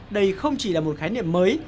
đây không chỉ là một khái niệm mới